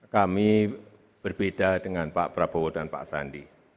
kami berbeda dengan pak prabowo dan pak sandi